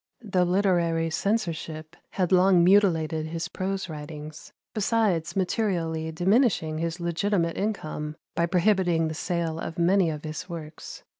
The literary censorship had long mutilated his prose writings, besides materially diminishing his legitimate income by prohibiting the sale of many of his works.